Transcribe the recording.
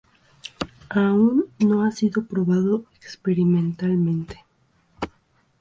Aun no ha sido probada experimentalmente.